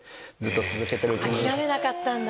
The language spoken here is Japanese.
諦めなかったんだ。